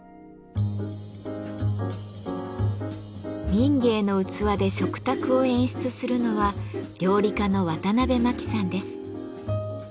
民藝の器で食卓を演出するのは料理家のワタナベマキさんです。